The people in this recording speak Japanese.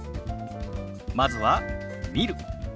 まずは「見る」。